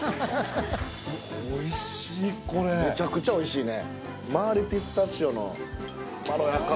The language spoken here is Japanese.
めちゃくちゃおいしいね